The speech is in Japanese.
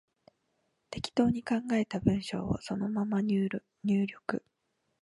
適当に考えた文章をそのまま入力